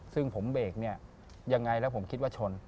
ซึ่งผมเบรกอย่างไรแล้วผมคิดว่าชน